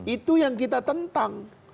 itu yang kita tentang